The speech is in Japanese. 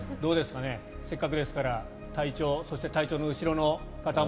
せっかくですから隊長そして、隊長の後ろの方も。